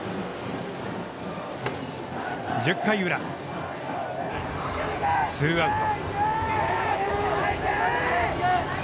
１０回裏、ツーアウト。